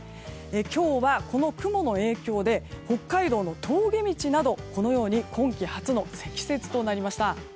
今日はこの雲の影響で北海道の峠道などこのように今季初の積雪となりました。